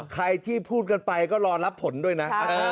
ใครที่พูดกันไปก็รอรับผลด้วยนะ